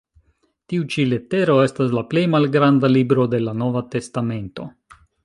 Tiu ĉi letero estas la plej malgranda "libro" de la Nova testamento.